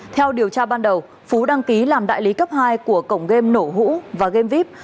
theo điều tra ban đầu phú đăng ký làm đại lý cấp hai của cổng game nổ hũ và game vip